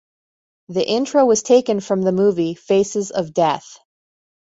The intro was taken from the movie "Faces of Death".